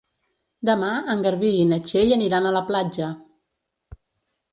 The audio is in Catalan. Demà en Garbí i na Txell aniran a la platja.